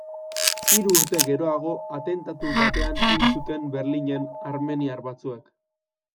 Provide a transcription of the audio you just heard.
Hiru urte geroago, atentatu batean hil zuten Berlinen armeniar batzuek.